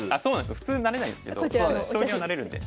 普通なれないんですけど将棋はなれるんで。